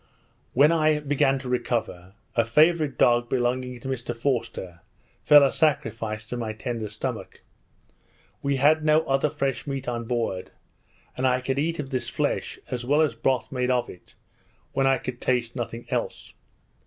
When I began to recover, a favourite dog belonging to Mr Forster fell a sacrifice to my tender stomach. We had no other fresh meat on board, and I could eat of this flesh, as well as broth made of it, when I could taste nothing else.